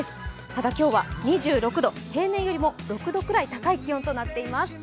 ただ今日は２６度、平年よりも６度くらい高い予報となっています。